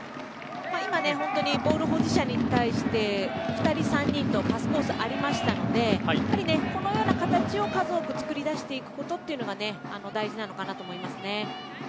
今、本当にボール保持者に対して２人、３人とパスコースありましたのでやはりこのような形を数多くつくり出していくことというのが大事なのかなと思いますね。